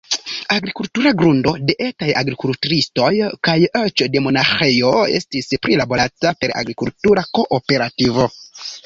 Agrikultura grundo de etaj agrikulturistoj kaj eĉ de monaĥejo estis prilaborata per agrikultura kooperativo.